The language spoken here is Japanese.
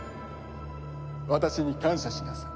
私に感謝しなさい。